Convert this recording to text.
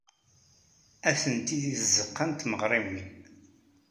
Atenti deg tzeɣɣa n tmeɣriwin.